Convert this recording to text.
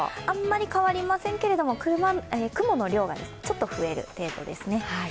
あまり変わりませんけれども、雲の量がちょっと増える程度ですね。